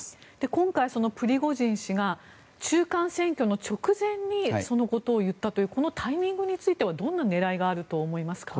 今回、プリゴジン氏が中間選挙の直前にそのことを言ったというこのタイミングについてはどんな狙いがあると思いますか？